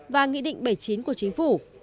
và nghị định bảy mươi chín của chính phủ